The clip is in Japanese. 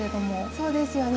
そうですよね。